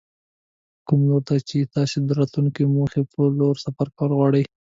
کوم لور ته چې تاسې د راتلونکې او موخې په لور سفر کول غواړئ.